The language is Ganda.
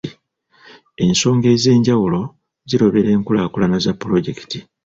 Ensonga ez'enjawulo zirobera enkulaakulana za puloojekiti.